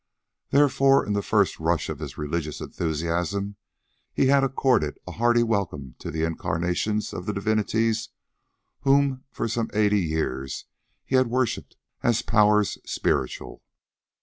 Therefore in the first rush of his religious enthusiasm he had accorded a hearty welcome to the incarnations of the divinities whom for some eighty years he had worshipped as powers spiritual.